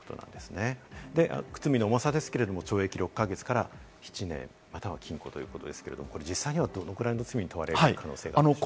罪の重さですけれども、懲役６か月から７年、または禁錮ということですけれど、実際にはどのぐらいの罪に問われる可能性がありますか？